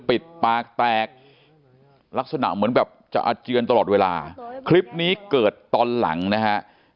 ปิดปากแตกลักษณะเหมือนแบบจะอาเจียนตลอดเวลาคลิปนี้เกิดตอนหลังนะฮะ